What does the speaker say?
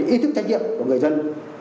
ý thức trách nhiệm của người dân